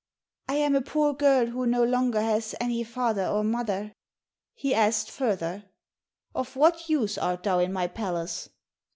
"I am a poor girl who no longer has any father or mother." He asked further, "Of what use art thou in my palace?"